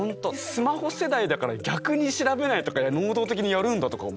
スマホ世代だから逆に調べないとか能動的にやるんだとか思って。